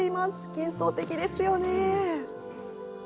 幻想的ですよね。